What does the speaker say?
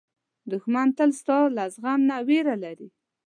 دښمن تل ستا له عزم نه وېره لري